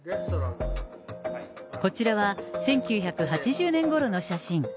こちらは１９８０年ごろの写真。